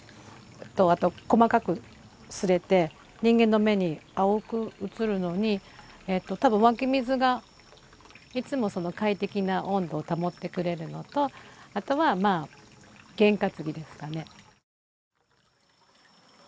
あと細かくすれて人間の目に青く映るのにたぶん湧き水がいつも快適な温度を保ってくれるのとあとはまあ験担ぎですかね。